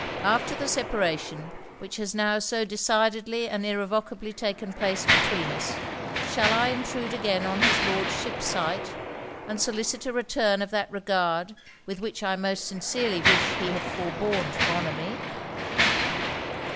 After the separation which has now so decidedly and irrevocably taken place between us, shall I intrude again on his Lordship's sight? and solicit a return of that regard with which I most sincerely wish he had forborne to honour me?'